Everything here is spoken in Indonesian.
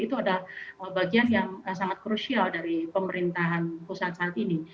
itu adalah bagian yang sangat krusial dari pemerintahan pusat saat ini